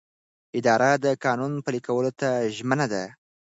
اداره د قانون پلي کولو ته ژمنه ده.